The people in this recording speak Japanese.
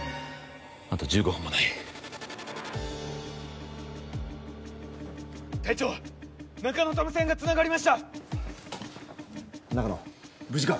あと１５分もない隊長中野と無線がつながりました中野無事か？